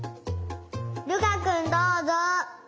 瑠珂くんどうぞ。